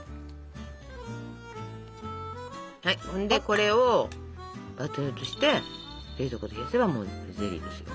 これをバットに移して冷蔵庫で冷やせばもうゼリーですよ。